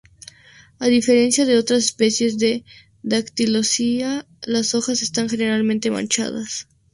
A diferencia de otras especies de "dactylorhiza", las hojas están generalmente manchadas.